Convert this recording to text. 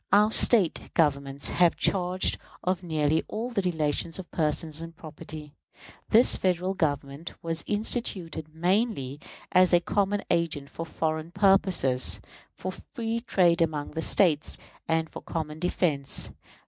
Our State governments have charge of nearly all the relations of person and property. This Federal Government was instituted mainly as a common agent for foreign purposes, for free trade among the States, and for common defense.